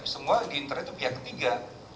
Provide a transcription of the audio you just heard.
semua di internal itu pihak ketiga